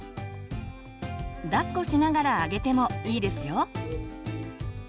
抱っこしながらあげてもいいですよ。